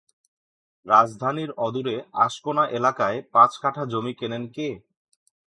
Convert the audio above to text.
রাজধানীর অদূরে আশকোনা এলাকায় পাঁচ কাঠা জমি কেনেন কে?